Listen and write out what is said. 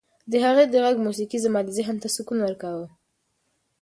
د هغې د غږ موسیقي زما ذهن ته سکون ورکاوه.